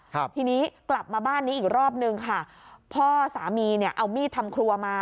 ครับทีนี้กลับมาบ้านนี้อีกรอบนึงค่ะพ่อสามีเนี่ยเอามีดทำครัวมา